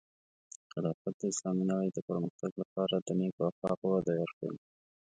خلافت د اسلامی نړۍ د پرمختګ لپاره د نیکو اخلاقو وده ورکوي.